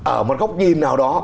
ở một góc nhìn nào đó